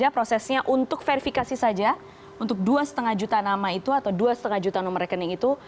prosesnya untuk verifikasi saja untuk dua lima juta nama itu atau dua lima juta nomor rekening itu